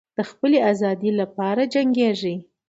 د خپلې آزادۍ لپاره جنګیږي.